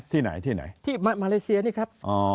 ที่ไหนที่ไหนที่มาเลเซียนี่ครับ